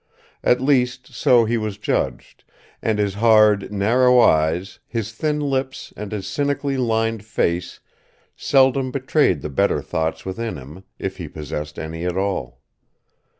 At least so he was judged, and his hard, narrow eyes, his thin lips and his cynically lined face seldom betrayed the better thoughts within him, if he possessed any at all.